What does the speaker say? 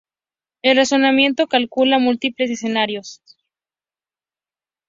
El razonamiento calcula múltiples escenarios.